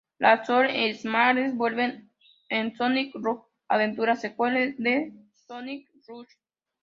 Las Sol Emeralds vuelven en Sonic Rush Adventure, secuela de Sonic Rush.